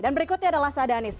dan berikutnya adalah sadanis